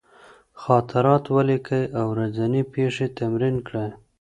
خاطرات ولیکئ، ورځني پېښې تمرین کړئ.